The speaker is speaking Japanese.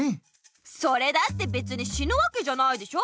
それだってべつに死ぬわけじゃないでしょ。